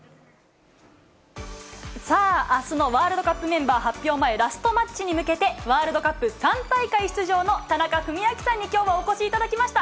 さあ、あすのワールドカップメンバー発表前、ラストマッチに向けて、ワールドカップ３大会出場の田中史朗さんに、きょうもお越しいただきました。